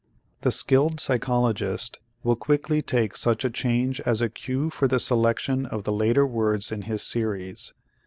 The skilled psychologist will quickly take such a change as a cue for the selection of the later words in his series.